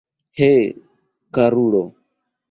He, karulo!